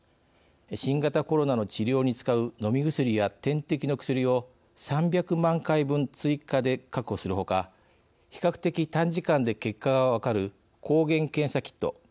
新型コロナの治療に使う飲み薬や点滴の薬を３００万回分追加で確保するほか比較的短時間で結果が分かる抗原検査キット